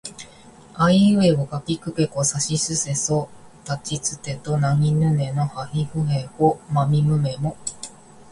あいうえおかきくけこさしすせそたちつてとなにぬねのはひふへほまみむめも